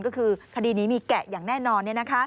ก็คือคดีนี้มีแกะอย่างแน่นอน